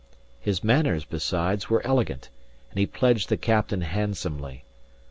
His manners, besides, were elegant, and he pledged the captain handsomely.